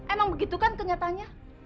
emang begitu kan kenyataannya